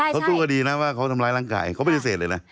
เขาสู้คดีนะว่าเขาทำร้ายร่างกายเขาปฏิเสธเลยนะ